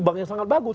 banknya sangat bagus